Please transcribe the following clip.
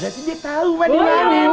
berarti dia tau mah dimana ini